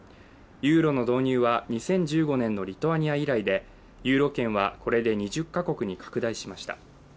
ユーロの導入は２０１５年のリトアニア以来で、ユーロ圏はこれで２０か国に拡大しました。